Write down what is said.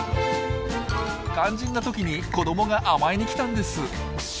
肝心な時に子どもが甘えに来たんです。